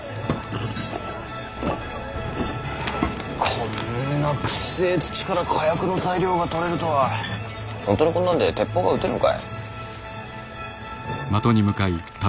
こんなくっせえ土から火薬の材料がとれるとは本当にこんなんで鉄砲が撃てるんか？